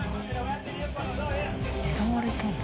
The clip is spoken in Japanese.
狙われたの？